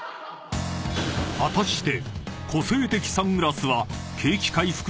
［果たして］